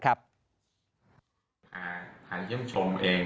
พาเยี่ยมชม